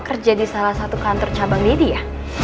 kerja di salah satu kantor cabang deddy ya